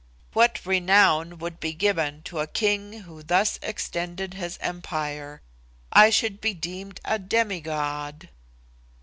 What renown would be given to a king who thus extended his empire! I should be deemed a demigod."